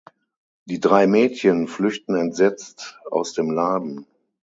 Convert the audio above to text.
Die drei Mädchen flüchten entsetzt aus dem Laden.